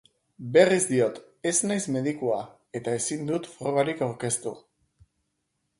Berriz diot, ez naiz medikua eta ezin dut frogarik aurkeztu.